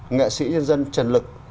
nghệ sĩ nhân dân trần lực